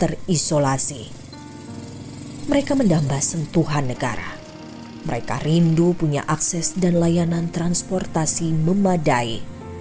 mereka menambah sentuhan negara mereka rindu punya akses dan layanan transportasi memadai